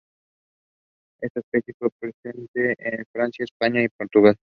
Esta especie está presente en Francia, España y en Portugal.